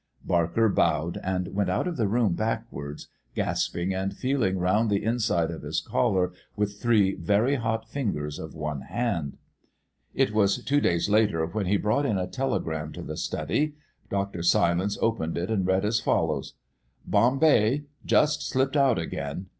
Barker bowed and went out of the room backwards, gasping and feeling round the inside of his collar with three very hot fingers of one hand. It was two days later when he brought in a telegram to the study. Dr. Silence opened it, and read as follows: "Bombay. Just slipped out again.